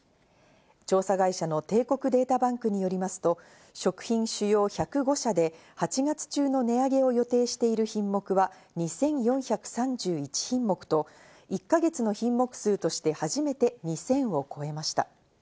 調査会社の帝国データバンクによりますと、食品主要１０５社で８月中の値上げを予定している品目は２４３１品目と１か月の品目数として初めて２０００を超えました。